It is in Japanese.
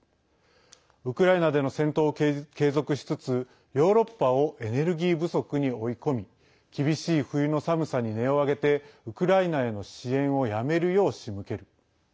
ウクライナでの戦闘を継続しつつヨーロッパをエネルギー不足に追い込み厳しい冬の寒さに音を上げてウクライナへの支援をやめるよう仕向ける。